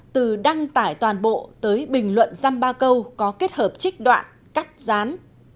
từ đăng tải toàn bộ tới bình luận răm ba câu có kết hợp trích đoạn cắt rán